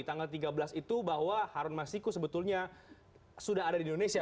tanggal tiga belas itu bahwa harun masiku sebetulnya sudah ada di indonesia